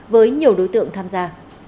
với nhiều đối tượng tham gia